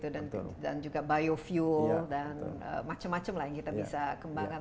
dan juga biofuel dan macam macam lah yang kita bisa kembangkan